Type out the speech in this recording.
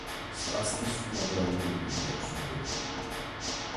სპასკის უამრავი ტურნირი აქვს მოგებული.